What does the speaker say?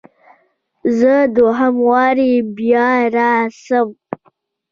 زه دوهم واري بیا راسم؟